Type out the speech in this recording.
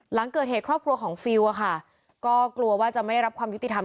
หลังเกิดเหตุครอบครัวของฟิลอะค่ะก็กลัวว่าจะไม่ได้รับความยุติธรรม